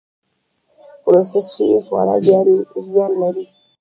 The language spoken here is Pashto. پروسس شوي خواړه زیان لري